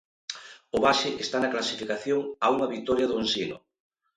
O Baxi está na clasificación a unha vitoria do Ensino.